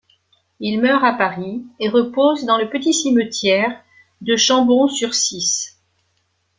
Il meurt à Paris le et repose dans le petit cimetière de Chambon-sur-Cisse.